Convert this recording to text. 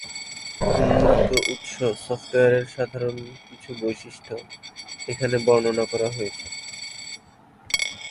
উন্মুক্ত উৎস সফটওয়্যারের সাধারণ কিছু বৈশিষ্ট্য এখানে বর্ণনা করা হয়েছে।